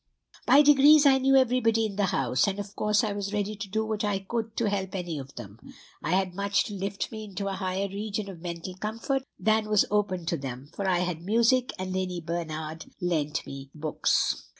"By degrees I knew everybody in the house, and of course I was ready to do what I could to help any of them. I had much to lift me into a higher region of mental comfort than was open to them; for I had music, and Lady Bernard lent me books.